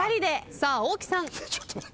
さあ大木さん。